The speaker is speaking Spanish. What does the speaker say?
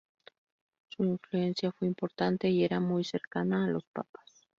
Su influencia fue importante y era muy cercano a los papas.